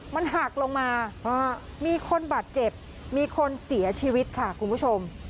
มันหักลงมามีคนบาดเจ็บมีคนเสียชีวิตค่ะคุณผู้ชม